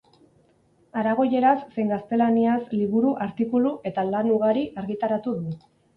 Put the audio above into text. Aragoieraz zein gaztelaniaz liburu, artikulu eta lan ugari argitaratu du.